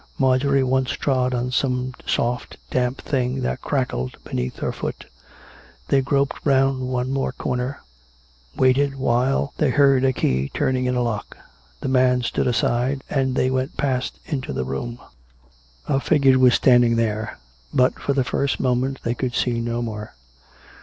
Marjorie once trod on some soft, damp thing that crackled beneath her foot. They groped round one more corner; waited, while they heard a key turning in a lock. Then the man stood aside, and they went past into the room. A figure was standing there; but for the first moment they could see no more.